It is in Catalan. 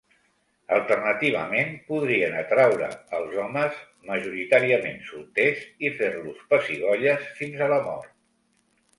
Alternativament, podrien atraure els homes, majoritàriament solters, i fer-los pessigolles fins a la mort.